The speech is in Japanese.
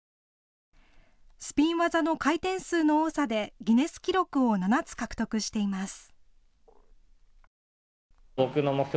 スピン技の回転数の多さでギネス記録を７つ獲得しています。